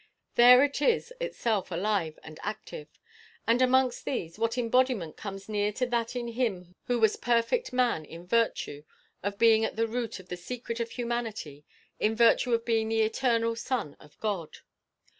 There it is itself alive and active. And amongst these, what embodiment comes near to that in him who was perfect man in virtue of being at the root of the secret of humanity, in virtue of being the eternal Son of God?